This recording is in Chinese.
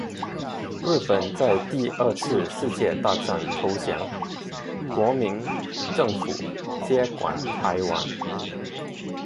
日本在第二次世界大战投降，国民政府接管台湾。